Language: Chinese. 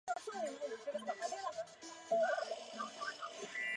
展毛翠雀花为毛茛科翠雀属下的一个变种。